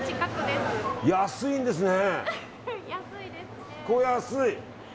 安いですね。